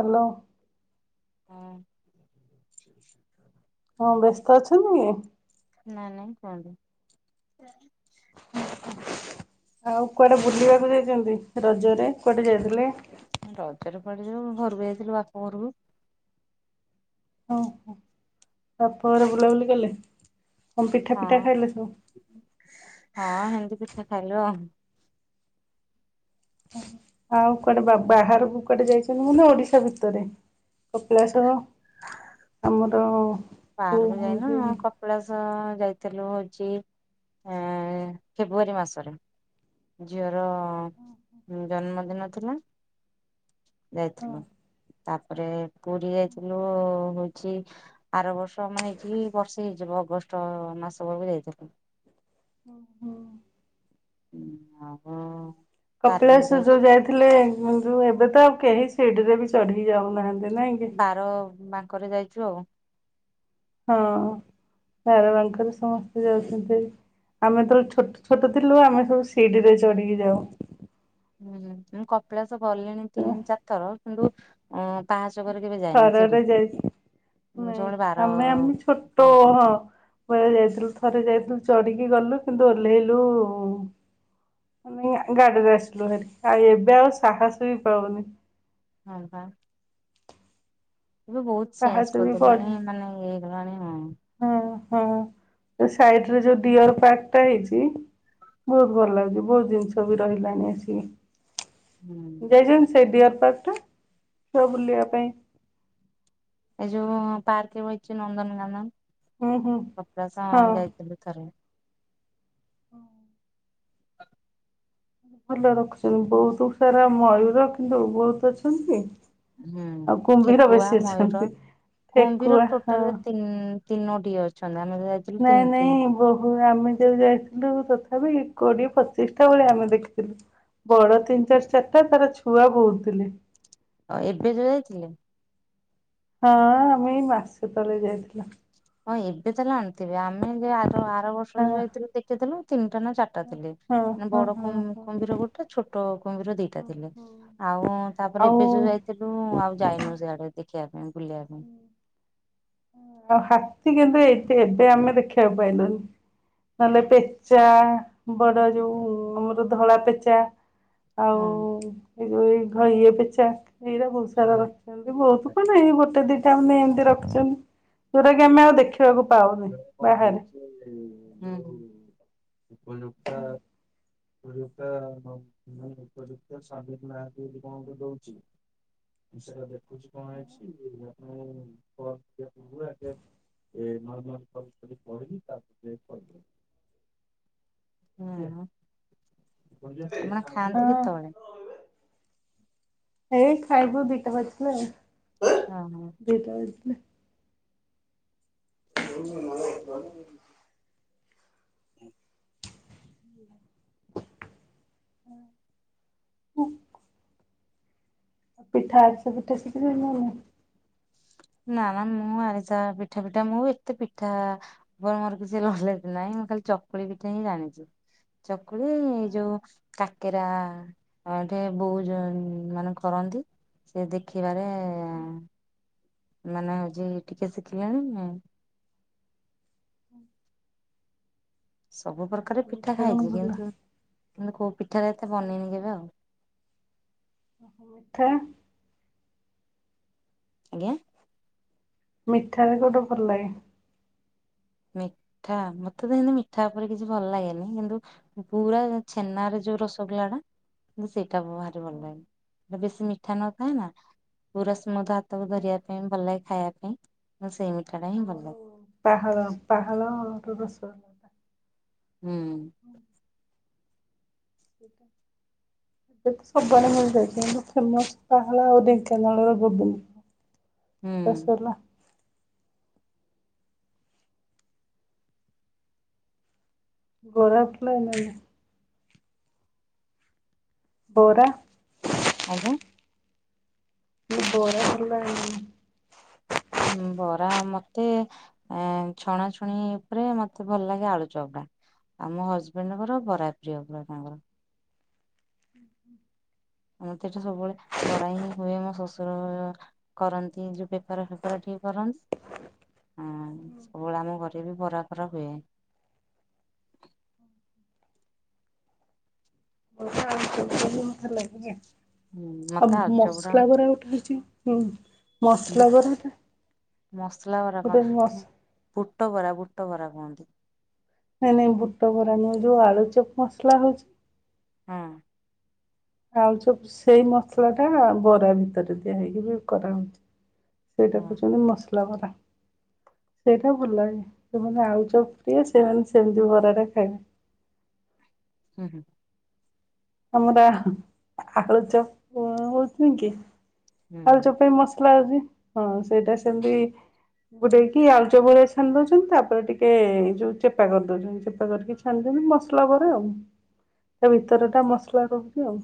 Hello. ହଁ। କଣ ବ୍ୟସ୍ତ ଅଛୁ କି? ନା ନାଇଁ କୁହନ୍ତୁ। ଆଉ କୁଆଡେ ବୁଲିବାକୁ ଯାଇଚନ୍ତି ରଜରେ କୁଆଡେ ଯାଇଥିଲେ? ରଜରେ କୁଆଡେ ଯିବ ଘରକୁ ଯାଇଥିଲୁ ବାପା ଘରକୁ। ଓହୋ ବାପ ଘରେ ବୁଲା ବୁଲି କଲେ। କଣ ପିଠା ହଁ ପିଠା ଖାଇଲେ ସବୁ ହଁ ହେମିତି ପିଠା ଖାଇଲୁ ଆଉ। ଆଉ କୁଆଡେ ବ-ବାହାରକୁ କୁଆଡେ ଯାଇଚନ୍ତି ନା ଓଡିଶା ଭିତରେ କପିଳାସ ଆମର ଯୋଉ ବାହାରକୁ ହଁ ଯାଇନୁ ହୁଁ ଉଁ କପିଳାସ ଯାଇଥିଲୁ ହୋଉଚି ଆ ଫେବୃଆରୀ ମାସରେ ଝିଅର ଜନ୍ମଦିନ ଥିଲା। ଯାଇଥିଲୁ। ତାପରେ ପୁରି ଯାଇଥିଲୁ ହୋଉଚି ଆର ବ ର୍ଷ ମାନେ ଏଇଠିକି ବର୍ଷେ ହେଇଯିବ ଅଗଷ୍ଟ ମାସ ବେଳକୁ ଯାଇଥିଲୁ। ଓହୋ। ହୁଁ ହବ। କପିଳାସ ଯୋଉ ଯାଇଥିଲେ ଯୋଉ ଏବେ ତ ଆଉ କେହି ସିଡରେ ବି ଚଢିକି ଯାଉନାହାନ୍ତି। ନାଇଁ କି? ବାର ବାଙ୍କରେ ଯାଇଚୁ ଆଉ। ହଁ ବାର ବାଙ୍କରେ ସମସ୍ତେ ଯାଉଚନ୍ତି। ଆମେ ତ ଛୋଟ ଛୋଟ ଥିଲୁ ଆମେ ସବୁ ସିଡିିରେ ଚଢିକି ଯାଉ। ହୁଁ ମୁଁ କପିଳାସ ଗଲିଣି ତିନି ଚାରି ଥର କିନ୍ତୁ ଅଂ ଥରଟେ ଯାଇଚି ମୁଁ ନାଇଁ ସବୁବେଳେ ବାର ଆମେ ଆମେ ଛୋଟ କରେ। ହଁ ଥରେ ଯାଇଥିଲୁ ଥରେ ଯାଇଥିଲୁ ଚଢିକି ଗଲୁ କିନ୍ତୁ ଓହ୍ଲେଇଲୁ ମାନେ ଗାଡିରେ ଆସିଲୁଭାରି ଆଉ ଏବେ ଆଉ ସାହସ ବି ପାଉନି। ହଁପା। ଏବେ ବହୁତ ଚେଞ୍ଜ ପାହାଚ କରିଦେଲାଣି ମାନେ ଇଏ ହେଇଗଲାଣି ହଁ। ଓହୋ ଯୋଉ ସାଇଡରେ ଯୋଉ ଡିଅର ପାର୍କ ଟେ ହେଇଚି। ବହୁତ ଭଲ ଲାଗୁଛି ବହୁତ ଜିନିଷ ବି ରହିଲାଣି ଆସିକି। ହୁଁ ଜୟଜନ୍ତ ସେଇଟି କାରଟା ଛୁଆ ବୁଲିଆ ପାଇଁ ଏ ଯୋଉ ପାର୍କରେ ବଇଛି ନନ୍ଦନ କାନନ୍। ହୁଁ ହୁଁ କପିଳାସ ଯାଇଥିଲୁ ଥରେ ହଁ। ଭଲ ରଖୁଛନ୍ତି ବହୁତ ସାରା ମୟୂର, କିନ୍ତୁ ବହୁତ ଅଛନ୍ତି ହୁଁ ଆଉ କୁମ୍ଭୀର ଠେକୁଆ, ବେଶୀ ମୟୂର, ଅଛନ୍ତି। କୁମ୍ଭୀର ଠେକୁଆ ହଁ ଟୋଟାଲ୍ ତିନ୍ ତିନୋଟିଏ ଅଛନ୍ ନାଇଁ ନାଇଁ ବହୁ ଆମେ ଯୋଉ ଯାଇଥିଲୁ ତଥାପି କୋଡିଏ ପଚିଶଟା ଭଳିଆ ଆମେ ଦେଖିଥିଲୁ। ବଡ ତିନି ଚାରି ଚାରିଟା ତାର ଛୁଆ ବହୁତ ଥିଲେ। ଆ ଏବେ ଯୋଉ ଯାଇଥିଲେ? ହଁ ଆମେ ଏଇ ମାସେ ତଳେ ଯାଇଥିଲୁ। ହଁ ଏବେ ତାହେଲେ ଆଣିଥିବେ, ଆମେ ଯେ ଆର ଆର ବର୍ଷ ହଁ ଯୋଉ ଯାଇଥିଲୁ ଦେଖିଥିଲୁ। ତିନିଟା ନା ଚାରିଟା ଥିଲେ, ହଁ ମାନେ ହଁ ବଡ ହଁ ହଁ। କୁମ୍ଭୀର ଗୋଟେ ଛୋଟ କୁମ୍ଭୀର ଦି ଟା ଥିଲେ ଆଉ ତାପରେ ଆଉ ଏବେ ଯୋଉ ଯାଇଥିଲୁ ଆଉ ଯାଇନୁ ସିଆଡେ। ଦେଖିଆ ପାଇଁ ବୁଲିଆ ପାଇଁ। ଆଉ ହାତୀ କିନ୍ତୁ ଏବେ ଏବେ ଆମେ ଦେଖିଆକୁ ପାଇଲୁନି। ନହେଲେ ପେଚା ବଡ ଯୋଉ ଆମର ଧଳା ପେଚା ଆଉ ହଁ। ଏ ଯୋଉ ଏଇ ଘ ଇଏ ପେଚା। ଏଇରା ବହୁତ ସାରା ରଖିଛନ୍ତି ବହୁତ କଣ ଏଇ ଗୋଟେ ଦିଟା ଖଣ୍ଡେ ଏମିତି ରଖିଛନ୍ତି। ଯୋଉଟା କି ଆମେ ଆଉ ହୁଁ। ଦେଖିବାକୁ ପାଉନି ଉପଯୁକ୍ତା ବାହାରେ। ଉପଯୁକ୍ତା ଉପଯୁକ୍ତା [unintelligible] ନାଁ କେମିତି କଣ ଗୋଟେ ଦଉଛି। ସେଇଟା ଦେଖୁଛି କଣ ହେଇଛି, ଆପଣଙ୍କୁ କଲ୍ କରିଆ [unintelligible] ଏ ନର୍ମାଲ ବହି ପହି ପଢ଼ଲି ତାପରେ ଯାଇ [unintelligible] ହୁଁ ମା ଖାଆନ୍ତି ହଁ କେତେବେଳେ? ଏଇ ଖାଇବୁ ଦିଟା ବାଜିଲେ ଆଉ, ଓହୋ ଦିଟା ବାଜିଲେ। ହୁଁ [unintelligible] [unintelligible] ଉ ପିଠା ଆରିସା ପିଠା ସିଖିଲଣି ନା ନାଇଁ? ନା ନା ମୁଁ ଆରିସା ପିଠା ପିଠା, ମୁଁ ଏତେ ପିଠା ଉପରେ ମୋର କିଛି ନଲେଜ୍ ନାହିଁ। ମୁଁ ଖାଲି ଚକୁଳି ପିଠା ହିଁ ଜାଣିଚି। ଚକୁଳି ଯୋଉ କାକେରା ଏଠେ ବୋଉ ଯ ମାନେ କରନ୍ ନ୍ତି ସେ ଦେଖିବାରେ ହଁ। ମାନେ ହଉଛି ଟିକେ ଶିଖିଲେଣି ହୁଁ। ସବୁ ପ୍ରକାର ପିଠା ମିଠା କଣ ଖାଇଛି ଭଲ କିନ୍ତୁ, କିନ୍ତୁ କୋଉ ପିଠାରେ ଏତେ ବନେଇନି ମିଠା କେବେ ଆଉ। ମିଠା। ଆଜ୍ଞା। ମିଠାରେ କୋଉଟା ଭଲ ଲାଗେ? ମିଠା ମତେ ତ ସେନ୍ତୀ ମିଠା ଉପରେ କିଛି ଭଲ ଲାଗେନି, କିନ୍ତୁ ପୁରା ଛେନାରେ ଯୋଉ ରସଗୋଲା ଟା ମୁଁ ସେଇ ଭାରି ଭଲ ଲାଗେ ବେଶୀ ମିଠା ନଥାଏ ନା ପୁରା ସ୍ମୁଥ ହାତ କୁ ଧରିବା ପାଇଁ ଭଲ ଲାଗେ ଖାଇଆ ପାଇଁ ମୁଁ ସେଇ ମି ଆମର ପାହାଳ ପାହାଳର ରସଗୋଲଟା ହୁଁ। ସେଇଟା। ଏବେ ତ ସବୁ ଆଡେ ମିଳି ଯାଉଛି କିନ୍ତୁ ଫେମସ୍ ଟା ହେଲା ଢେଙ୍କାନାଳର ଜୁବୁଲ ବାସ ହୁଁ ସରଲା ଗୋରାପ ଫୁଲ ମିଳୁନେ ବୋରା, ଆଜ୍ଞା, ମୁଁ ବରାଫୁଲ ଆଣିଲି ନାଇଁ। ଁ ବରା ମତେ ଛଣାଛୁଣି ଉପରେ ମତେ ଭଲ ଲାଗେ ଆଳୁ ଚପଟା। ଆମ ହଜବେଣ୍ଡଙ୍କର ବରା ପ୍ରିୟ ପୁରା ତାଙ୍କର। ହୁଁ, ମତେ ଏଟା ସବୁବେଳେ ବରା ହିଁ ହୁଏ ମୋ ଶଶୁର କରନ୍ତି ଯୋଉ ବେପାର ଫେପାର ଟିକେ ଫ୍ରାନ୍ସ, ହ [inaudible] ହଁ ସବୁବେଳେ ଆମ ଘରେ ବି ବରା ଫରା ହୁଏ। ହୁଁ ଆଉ ମତେ ଆଳୁ ଚପ୍ ଟା ମସଲା ବରା ଗୋଟେ ହଉଚି। ହୁଁ ବୁ ମସଲା ବରାଟା। ମସଲା ବରା ଗୋଟେ କଣ ମସ୍ ବୁଟ ବରା ବୁଟ ବରା କୁହନ୍ତି। ନାଇଁ ନାଇଁ ବୁଟ ଭରା ନଉ ଯୋଉ ଆଳୁ ଚପ ମସଲା ହଉଛି ହଁ। ଆଉ ସ ସେଇ ମସଲା ଟା ବରା ଭିତରେ ଦିଆ ହେଇକି ବି କରାହଉଛି ସେଇଟା ହଁ କହୁଛନ୍ତି, ମସଲା ପରା ସେଇଟା ଭଲେ ସେମାନେ ଆଉଛ, ପ୍ରିୟ ସେମାନେ ସେମିତି ଭରାଟା ଖାଇବେ ହୁଁ ହୁଁ। ଆମର ଆଳୁଚପ ହଉଛି କି ହୁଁ। ଆଳୁଚପ ପାଇଁ ମ ଉ ହଁ ସେଇଟା ସେମତି ଗୋଟେଇକି ଆଳୁଚ ବଳିଆ ଛାଣି ଦଉଛନ୍ତି, ତାପରେ ଟିକେ ଯୋଉ ଚେପା କରି ଦଉଛନ୍ତି ଚେପା କରିକି ଛାଣିଉଛନ୍ତି ମସଲା ପରେ ଆଉ ଭିତରୋ ଛି ଆଉ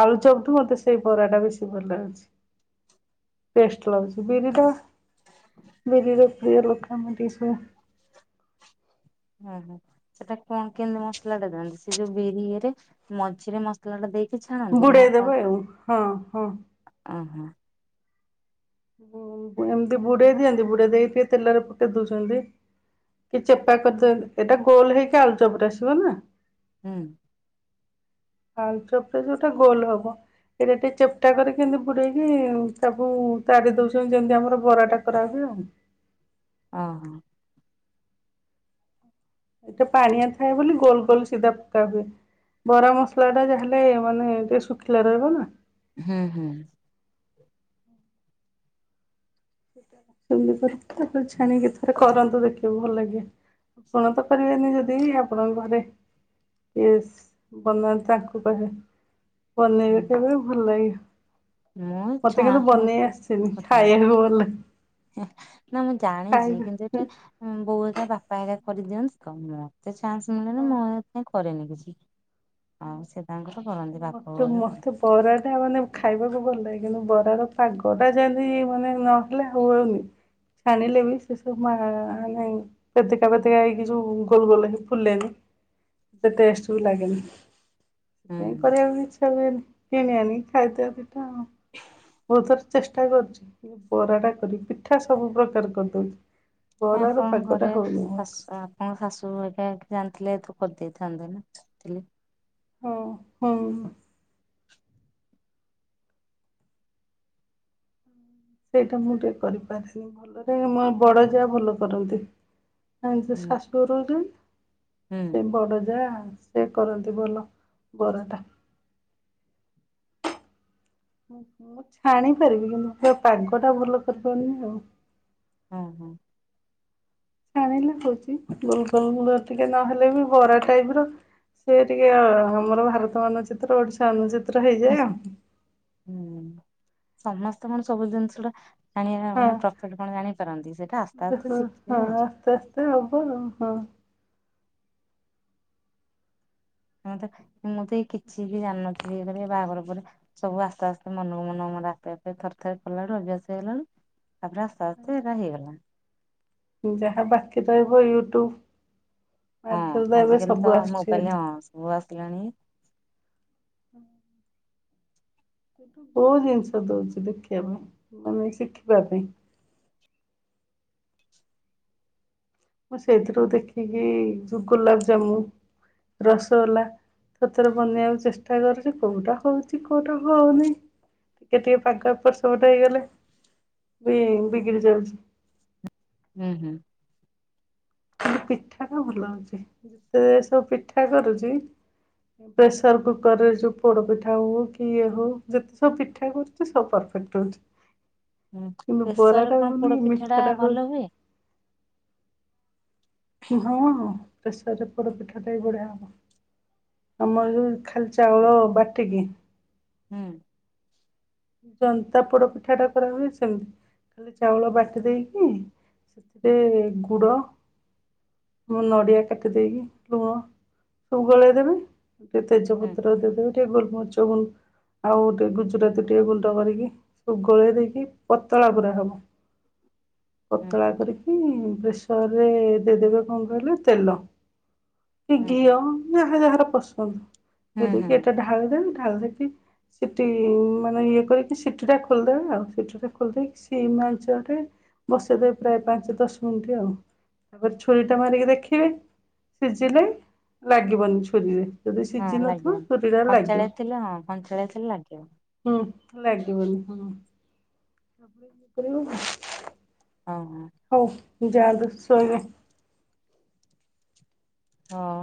ଆଳୁ ଚପ ଟୁ ମତେ ସେଇ ବରା ଟା ବେଶୀ ଭଲ ଲାଗୁଛି ଟେଷ୍ଟ ଲାଗଛି ବିରିଟା ବିିଲ ରପଆ ଲୋକା ଓ ହୋ, ସେଟା କଣ କେମିତି ମସଲା ଟା ଦିଅନ୍ତି ସେ ଯୋଉ ବିରିରେ ମଝିରେ ମସଲା ଟା ଦେଇକି ଛାଣନ୍ତି ନା କଣ ବୁଡେଇଦବ ଆଉ, ହଁ ହଁ ଓହୋ ହ ଏମତି ବୁଢ ଦେଇିଆନ୍ତି, ବୁଢ ଦେଇ ତେଲାରେ ପୁଟେ ଦୂଷଣ ଦେଇ କି ଚେପା କରିଦ ଏଇଟା ଗୋଲ ହେଇକି ଆଳୁ ଜବରେ ଆସିବ ନା। ହୁଁ। କାଲ ଚପରେ ଯେଉଟା ଗୋଲ ହବ ଏଇଟା ଟିକେ ଚେପ୍ଟା କରିକ କେମିତି ବୁଡେଇକି, ତାକୁ ତାର ଦଉଛନ୍ତି ଯେମିତି ଆମର ବରାଟା କରା ହଏ ଆଉ। ଓ ହୋ। ଏଇଟା ପାଣିଆ ଥାଏ ବୋଲି ଗୋଲ ଗୋଲ ସିଧା ପକା ହୁଏ। ବରା ମସଲା ଟା ଯାହାେଲେ ମାନେ ଟିକେ ଶୁଖିଲା ରହିବ ନା ହୁଁ ହୁଁ। ଛାଣିକି ଥରେ କରନ୍ତୁ ଦେଖିବାକୁ ଭଲ ଲାଗେ ଆପଣ ତ କରିିବିବାରନି ଯଦି ଆପଣ ବାରେ ବନାନ୍ତି ତାଙ୍କୁ କହେ ବନେଇବେ ହୁଁ। କେବେ ଭଲ ଲାଗେ ମୁଁ ମତେ କିନ୍ତୁ ଛଣାଛୁଣି ବନେଇ ଏତେ ଆସିଛିନି କରେନି ଖାଇବାକୁ ବଲେ ନା ମୁଁ ଜାଣିଛି କିନ୍ତୁ ଏଟା ବୋଉ ହେଗ ବାପା ହେ କରିଦିଅନ୍ତି କଣ ମତେ ଚାନ୍ସ ମିଳେନି ହଁ ମୁଁ ଏଥି ପାଇଁ କରେନି କିଛି ଆଉ ସେ ତାଙ୍କର କରନ୍ତି ବାପା ବୋଉ ମତେ ହେରିକା କରନ୍ତି ମତେ ବରା ଟା ମାନେ ଖାଇବାକୁ ଭଲ ଲାଗେ କିନ୍ତୁ ବ ପାଗ ଟା ଯେମିତି ମାନେ ନହେଲେ ହୁଉନି। ଛାଣିଲେ ବି ସେ ସବୁ ମା ମାନେ ବେଦକା ଫେଦକା ହେଇକି, ଯୋଉ ଗୋଲ ଗୋଲ ହେଇ ଫୁଲେନି ସେତେ ଟେଷ୍ଟିବ ଲାଗେନ ହୁଁ ସେଥିପାଇଁ କରିବାକୁ ଇଚ୍ଛା ହୁଏନି, କିଣିବାନି ଖାଇଦ ପଇଟା ବଥର ଚେଷ୍ଟା କରୁଛି ପରରା ଟା କରିି ପିଠା ସବୁ ପ୍ରକାର କରିଦଉଛି ବରାର ଆପଣଙ୍କ ଘରେ ପାଗଟା ହଉନି ମୋର। ଶଶ ଆପଣଙ୍କ ଶାଶୁ ଏକା ଯାଆନ୍ତି। ତ କରିଦେଇଥାନ୍ତେ ନା। ହଁ ହୁଁ। ସେଇଟା ମୁଁ ଟିକେ କରିପାରେନି, ଭଲରେ ମୋ ବଡ ଯାହା ଭଲ କରନ୍ତି। ଆ ହୁଁ ଶାଶୁଘ ରହୁଛନ୍ତି, ହୁଁ ସେ ବଡ ଯା ସେ କରନ୍ତି ଭଲ ବରଟା ମୁଁ ଛାଣି ପାରିବି କିନ୍ତ, ସେ ପାଗ ଟା ଭଲ କରିପାରୁନି ଆଉ ହଁ ହଁ। ଛାଣିଲେ ହଉଛି ଗୋଲ ଗୋଲ ଟିକେ ନହେଲେ ବି ବରା ଟାଇପ ର ସେ ଟିକେ ଆମର ଭାରତ ମାନଚିତ୍ର ଓଡିଶା ଅନାନୁଚିତ୍ର ହୁଁ ସମସ୍ତେ କଣ ସବୁ ଜିନିଷ ଗଟା ଆାଣିବା ଆଉ। ମାନେ ପ୍ରଫିଟ କଣ ଜାଣିପାରନ୍ତି ସେଇଟା ଆସ୍ତେ ହଁ ଆସ୍ତେ ଶିଖ ହଁ ଆସ୍ତେ ଯାଇଛି। ଆସ୍ତେ ହବ ଆଉ ହଁ ଆ ତ ମୁଁ ତ ଏ କିଛି ବି ଜାଣିନଥିଲି ଏ ଘ ବାହାଘର ପରେରେ ସବୁ ଆସ୍ତେ ଆସ୍ତେ ମନକୁ ମନ ମର ଆପେପେ ଥରେ ଥରେ ପଲା ବେୁ ଅଭ୍ୟାସ ହେଇଲା ବୁ ତାପରେ ରାସ୍ତତା ଆସ୍ତେ ଏଟା ହେଇଗଲା ଯାହା ବାକି ରହିବ ୟୁଟୁ ହଁ ଆଜିକାଲି ତ ଭାରି। ମୋବାଇଲ ହଁ ସବୁ ଆସିଲାଣି ହୁଁ ସେଠୁ ବହୁତ ଜିନିଷ ଦଉଛି ଦେଖିବା ପାଇଁ ମାନେ ଶିଖିବା ପାଇଁ ମୁଁ ସେଇଥିରୁ ଦେଖିକି ଗୋଲାପଜାମୁନ ରସଗୋ୍ଲା ତରେ ବନେଇବାକୁ ଚେଷ୍ଟା କରୁଛି କୋଉଟା ହଉଛି କୋଉଟା ହଉନି ଟିକେ ଟିକେ ପାଗ ଉପରେ ସବୁଟ ହେଇଗଲେ ବି ବିଗିଡି ଯାଉଛି ହୁଁ ହୁଁ ପିଠାଟା ଭଲ ଅଉଛି ଯେତେ ସବୁ ପିଠା କରୁଛି ପ୍ରେସର କୁକର ରେ ଯୋଉ ପୋଡ ପିଠା ହଉ କି ଇଏ ହଉ ଯେତେ ସବୁ ପିଠା କରୁଛି ସବ [unintelligible] ହୁଁ। କିନ୍ତନ୍ତୁ ବରା ପ୍ରେସରରେ ଟା କଣ ହନ ପୋଡ କି ପିଠା ମିଠା ଟା ଭଲ ହଉ ହୁଏ? ହଁ ପ୍ରେସର ପର ପିଠାଟଇ ବଢଆ ହବ ଆମର ଖାଲିଚ ବଳ ବାଟିକ ହୁଁ ଜନ୍ତା ପୋଡ ପିଠା ଟା କର ହୁନି ସେମିତି ଖାଲି ଚାଉଳ ବାଟି ଦେଇକି ସେଥିରେ ଗୁଡ ମୁଁ ନଡିଆ କାଟି ଦେଇେଇକି ଲୁଣ ସବୁ ଗଳେଇଦବି ଟିକେ ହୁଁ ତେଜପତ୍ର ଦେଇଦେବେ ଟିକେ ଗୋଲମରଚୁ ଆଉ ଟେ ଗୁଜୁରା ଗଟିଏ ଗୁଣ୍ଡ କରିକି ସବୁ ଗୋଳେଇ ଦେଇକି ପତଳା ପୁରା ହବ ହୁଁ ପତଳା ହୁଁ କରିକି ପ୍ରେସରରେ ଦେଇଦେବେ କଣ କହିଲେ ତେଲ କି ହୁଁ ହୁଁ ଘିଅ ଯାହାର ଯାହାର ପସନ୍ଦ ହୁଁ ଯଦି ହୁଁ କିି ଏଟା ଢାଳିଯାଏ ଆବ ସେଠି ମାନେ ଇଏ କରିକି ସିଟି ଟା ଖୋଲିଦେବେ ଆଉ ସିଟି ଟା ଖୋଲିଦକି ସିମା ଅଞ୍ଚଳରେ ବସେଇଦବେ ପ୍ରାୟ ପାଞ୍ଚ ଦଶ ମିନିଟ ଆଉ ତାପରେ ଛୁରୀ ଟା ମାରିକି ଦେଖିବେ ସେଝିଲ ଲାଗ ଲାଗିବନି ଛୁରୀରେ ଯଦି ହଁ ସିଝି ନଥିବ ଲାଗିବନି। ଛୁରୀରେ ଲାଗିବ କଞ୍ଚାଳିଆ ଥିଲେ ହଁ କଞ୍ଚାଳିଆ ଥିଲେ ଲାଗିବ ହୁଁ ଲାଗେିବ ହୁଁ ସପପ ହଁ ହଁ ହଉ ଯାଦୁ ସ ନ ହଁ